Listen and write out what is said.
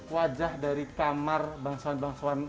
wajah dari kamar bangsa bangsa majapahit